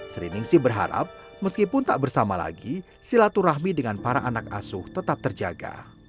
sri ningsi berharap meskipun tak bersama lagi silaturahmi dengan para anak asuh tetap terjaga